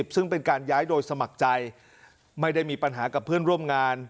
ซึ่งเป็นการย้ายโดยสมัครใจไม่ได้มีปัญหากับเพื่อนร่วมงาน